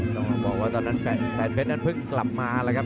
ต้องบอกว่าตอนนั้นแฟนเพชรนั้นเพิ่งกลับมาแล้วครับ